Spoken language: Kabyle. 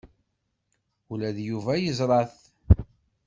Ula d Yuba yeẓra-t.